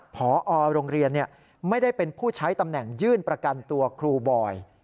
พอโรงเรียนไม่ได้เป็นผู้ใช้ตำแหน่งยื่นประกันตัวครูบอย